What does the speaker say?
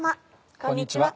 こんにちは。